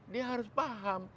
dia harus paham